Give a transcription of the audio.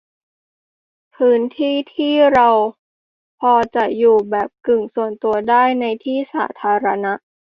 พื้นที่ที่เราพอจะอยู่แบบกึ่งส่วนตัวได้ ในที่สาธารณะ